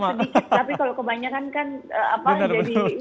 tapi kalau kebanyakan kan apaan jadi ini ya